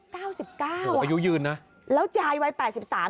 เก้าสิบเก้าโอ้โหอายุยืนนะแล้วยายวัยแปดสิบสาม